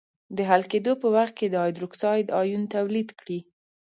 د حل کېدو په وخت د هایدروکساید آیون تولید کړي.